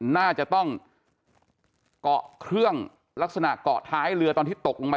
น่าจะต้องเกาะเครื่องลักษณะเกาะท้ายเรือตอนที่ตกลงไป